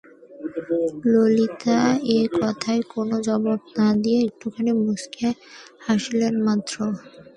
ললিতা এ কথার কোনো জবাব না দিয়া একটুখানি মুচকিয়া হাসিল মাত্র।